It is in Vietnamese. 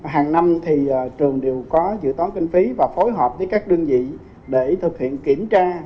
hàng năm thì trường đều có dự toán kinh phí và phối hợp với các đơn vị để thực hiện kiểm tra